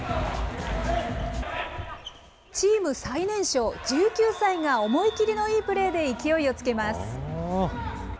チーム最年少、１９歳が思い切りのいいプレーで勢いをつけます。